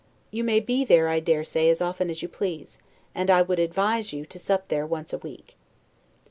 You may be there, I dare say, as often as you please, and I would advise you to sup there once a week.